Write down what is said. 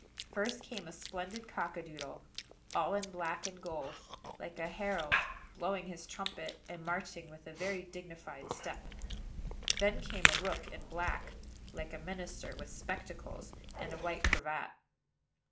First came a splendid cock a doodle, all in black and gold, like a herald, blowing his trumpet, and marching with a very dignified step. Then came a rook, in black, like a minister, with spectacles and white cravat.